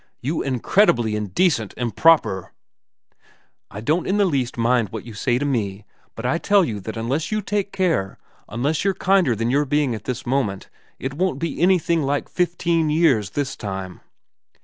You incredibly indecent, improper ' I don't in the least mind what you say to me, but I tell you that unless you take care, unless you're kinder than you're being at this moment, it won't be anything like fifteen years this time.'